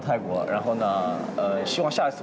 มีความสัยมีความสัย